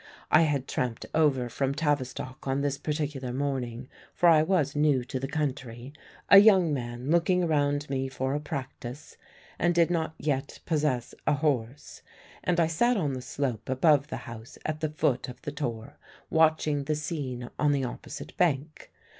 I had tramped over from Tavistock on this particular morning, for I was new to the country, a young man looking around me for a practice, and did not yet possess a horse, and I sat on the slope above the house, at the foot of the tor, watching the scene on the opposite bank.